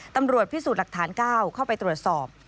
ตำรวจพิสูจน์หลักฐาน๙เข้าไปตรวจสอบ